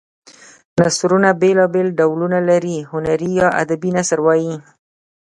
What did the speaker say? نثرونه بېلا بېل ډولونه لري هنري یا ادبي نثر وايي.